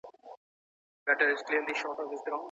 د محصلینو لیلیه له پامه نه غورځول کیږي.